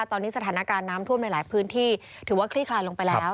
ตอนนี้สถานการณ์น้ำท่วมในหลายพื้นที่ถือว่าคลี่คลายลงไปแล้ว